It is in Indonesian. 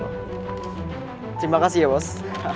terima kasih ya bos